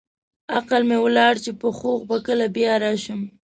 عقل مې ولاړ چې په هوښ به کله بیا راشم.